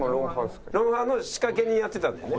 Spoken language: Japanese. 『ロンハー』の仕掛け人やってたんだよね？